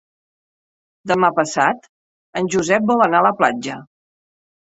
Demà passat en Josep vol anar a la platja.